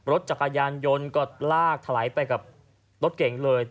รถจักรยานยนต์ก็ลากถลายไปกับรถเก่งเลย